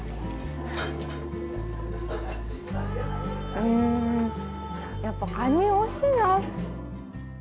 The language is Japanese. うんやっぱカニおいしいな。